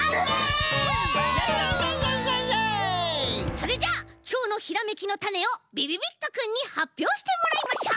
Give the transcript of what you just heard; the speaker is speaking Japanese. それじゃあきょうのひらめきのタネをびびびっとくんにはっぴょうしてもらいましょう。